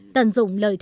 tận dụng lợi ích